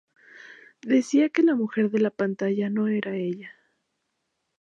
Decía que la mujer de la pantalla no era ella.